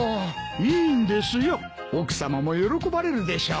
いいんですよ奥さまも喜ばれるでしょう。